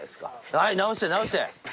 はい直して直して。